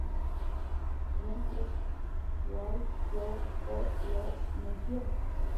Quintet "I Want You to Love Me Girl".